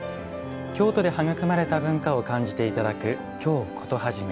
京都で育まれた文化を感じていただく「京コトはじめ」。